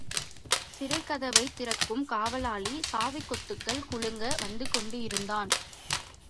சிறைக் கதவைத் திறக்கும் காவலாளி சாவிக்கொத்துகள் குலுங்க வந்துகொண்டு இருந்தான்.